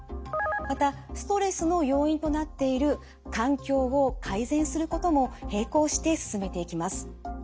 またストレスの要因となっている環境を改善することも並行して進めていきます。